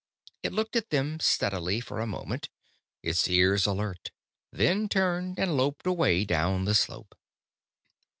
It looked at them steadily for a moment, its ears alert, then turned and loped away down the slope.